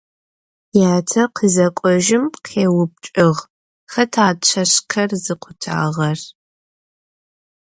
Yate khızek'ojım khêupçç'ığ: «Xeta çeşşker zıkhutağer?»